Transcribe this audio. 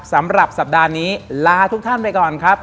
สำหรับสัปดาห์นี้ลาทุกท่านไปก่อนครับ